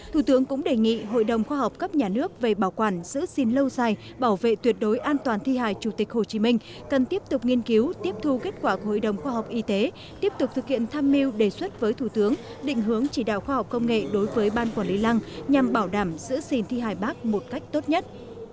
thủ tướng cũng đề nghị hội đồng khoa học cấp nhà nước về bảo quản giữ xin lâu dài bảo vệ tuyệt đối an toàn thi hài chủ tịch hồ chí minh cần tiếp tục nghiên cứu tiếp thu kết quả của hội đồng khoa học y tế tiếp tục thực hiện tham mưu đề xuất với thủ tướng định hướng chỉ đạo khoa học công nghệ đối với ban quản lý lăng nhằm bảo đảm giữ xin thi hài bắc một cách tốt nhất